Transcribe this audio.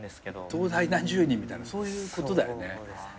東大何十人みたいなそういうことだよね。